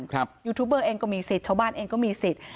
ยูทูบเบอร์เองก็มีสิทธิ์ชาวบ้านเองก็มีสิทธิ์